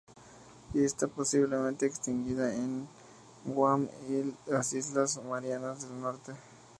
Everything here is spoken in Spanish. Y está posiblemente extinguida en Guam y las islas Marianas del Norte.